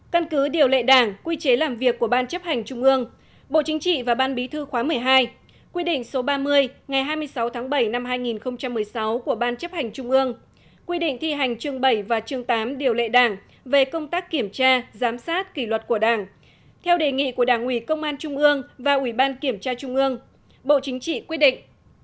căn cứ điều lệ đảng quy chế làm việc của ban chấp hành trung ương bộ chính trị và ban bí thư khóa một mươi hai quy định số ba mươi ngày hai mươi sáu tháng bảy năm hai nghìn một mươi sáu của ban chấp hành trung ương quy định thi hành chương bảy và chương tám điều lệ đảng về công tác kiểm tra giám sát kỷ luật của đảng theo đề nghị của đảng ủy công an trung ương và ủy ban kiểm tra trung ương bộ chính trị quy định